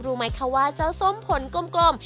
รู้ไหมค่ะเขาว่าเจ้าส้มผ่อนกลมกลม